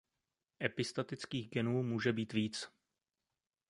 Epistatických genů může být víc.